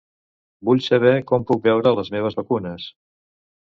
Vull saber com puc veure les meves vacunes.